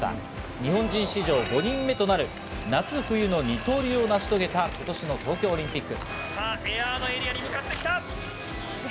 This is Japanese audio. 日本人史上５人目となる夏冬の二刀流を成し遂げた今年の東京オリンピック。